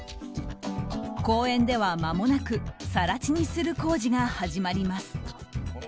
公園では、まもなく更地にする工事が始まります。